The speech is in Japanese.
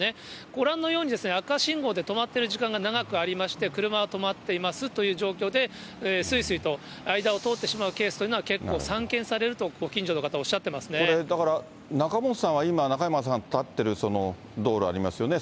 ご覧のように、赤信号で止まってる時間が長くありまして、車は止まっていますという状況で、すいすいと間を通ってしまうケースというのは結構、散見されるとこれ、だから仲本さんは今、中山さん立ってる道路ありますよね。